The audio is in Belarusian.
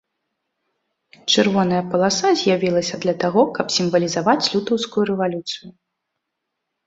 Чырвоная паласа з'явілася для таго, каб сімвалізаваць лютаўскую рэвалюцыю.